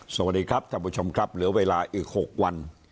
สวัสดีครับท่านผู้ชมครับเหลือเวลาอีก๖วัน